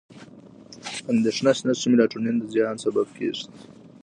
اندېښنه شته چې میلاټونین د زیان سبب شي.